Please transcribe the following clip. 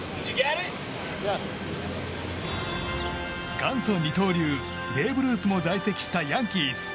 元祖二刀流、ベーブ・ルースも在籍したヤンキース。